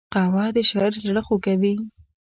قهوه د شاعر زړه خوږوي